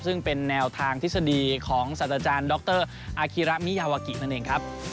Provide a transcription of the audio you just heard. ซึ่งเป็นแนวทางทฤษฎีของสัตว์อาจารย์ดรอาคิระมิยาวากินั่นเองครับ